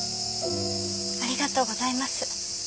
ありがとうございます。